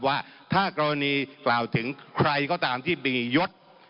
ว่าถ้ากรณีกล่าวถึงใครก็ตามที่มียศ